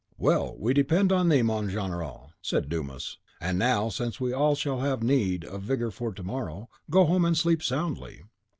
"Well, we depend on thee, mon general," said Dumas; "and now, since we shall all have need of vigour for to morrow, go home and sleep soundly."